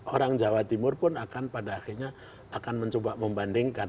orang jawa timur pun akan pada akhirnya akan mencoba membandingkan